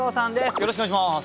よろしくお願いします。